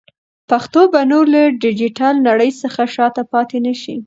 پښتو به نور له ډیجیټل نړۍ څخه شاته پاتې نشي.